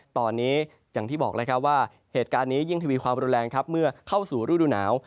ตอนนี้อย่างที่บอกแล้วครับว่าเหตุการณ์นี้ยิ่งทวีความรุนแรงครับเมื่อเข้าสู่ฤดูหนาว